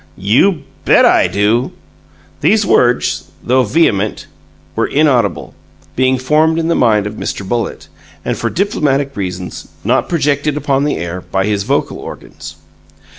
"You bet I do!" These words, though vehement, were inaudible; being formed in the mind of Mr. Bullitt, but, for diplomatic reasons, not projected upon the air by his vocal organs.